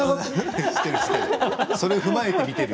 それを踏まえて見ている。